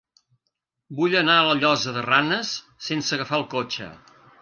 Vull anar a la Llosa de Ranes sense agafar el cotxe.